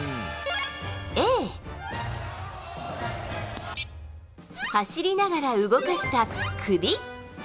Ａ、走りながら動かした首。